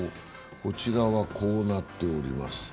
こちらはこうなっております。